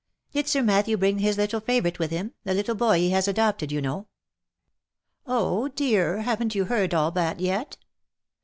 " Did Sir Matthew bring his little favourite with him ? The little boy he has adopted you know ?"" Oh ! dear, haven't you heard all that yet?